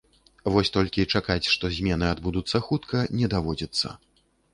Вось толькі чакаць, што змены адбудуцца хутка, не даводзіцца.